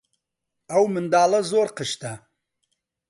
ئەو منداڵە زۆر قشتە.